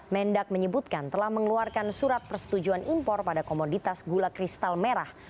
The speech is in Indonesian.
mendak menyebutkan telah mengeluarkan surat persetujuan impor pada komoditas gula kristal merah